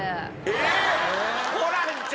えっ！？